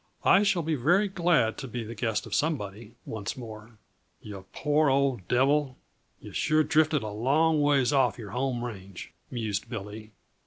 "I shall be very glad to be the guest of somebody once more." "Yuh poor old devil, yuh sure drifted a long ways off your home range," mused Billy.